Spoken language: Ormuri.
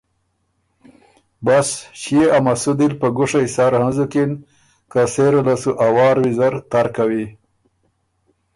بس ݭيې ا مسُودی ل په ګُوشئ سر هنزُکِن که سېره له سو ا وار ویزر تر کوی۔